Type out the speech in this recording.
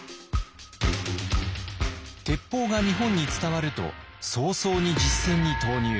鉄砲が日本に伝わると早々に実戦に投入。